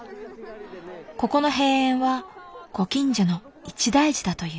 ここの閉園はご近所の一大事だという。